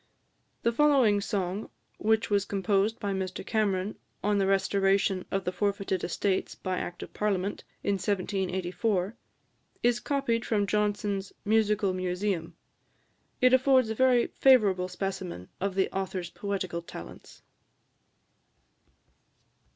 The following song, which was composed by Mr Cameron, on the restoration of the forfeited estates by Act of Parliament, in 1784, is copied from Johnson's "Musical Museum." It affords a very favourable specimen of the author's poetical talents.